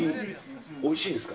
おいしいんですか？